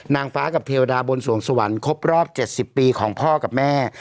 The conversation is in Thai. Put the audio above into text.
นางฟ้ากับเทวดาบนสวงสวรรค์ครบรอบ๗๐ปีของพ่อกับแม่